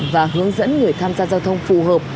và hướng dẫn người tham gia giao thông phù hợp